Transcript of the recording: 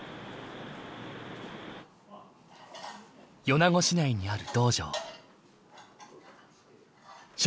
米子市内にある道場。